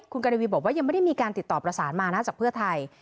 คุณกรวีบอกว่ายังไม่ได้มีการติดต่อประสานมานะจากเพื่อไทย